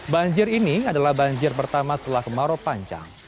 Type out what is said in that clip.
banjir ini adalah banjir pertama setelah kemarau panjang